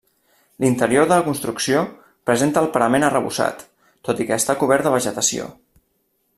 L'interior de la construcció presenta el parament arrebossat, tot i que està cobert de vegetació.